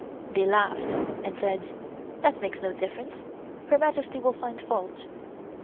They laughed and said: "That makes no difference. Her Majesty will find fault."